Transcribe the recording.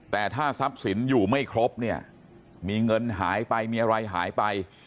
แต่ถ้าสับสินอยู่ไม่ครบมีเงินหายไปมีอะไรหายไป